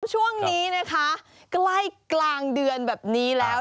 ช่วงนี้นะคะใกล้กลางเดือนแบบนี้แล้ว